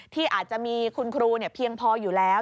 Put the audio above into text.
ที่อาจจะมีคุณครูเพียงพออยู่แล้ว